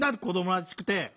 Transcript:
子どもらしくて。